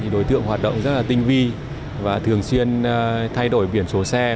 đối tượng hoạt động rất tinh vi và thường xuyên thay đổi biển số xe